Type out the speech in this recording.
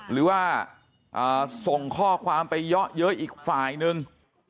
หรือว่าส่งข้อความไปเยอะเย้ยอีกฝ่ายนึง